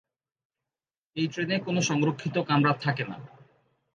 এই ট্রেনে কোন সংরক্ষিত কামরা থাকে না।